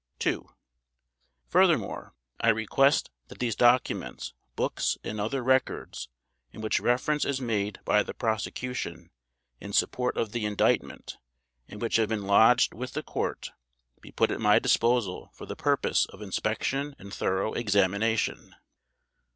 II Furthermore I request that these documents, books, and other records in which reference is made by the Prosecution in support of the Indictment and which have been lodged with the Court, be put at my disposal for the purpose of inspection and thorough examination.